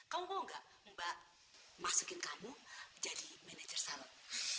kamu mau gak mbak masukin kamu jadi manager salon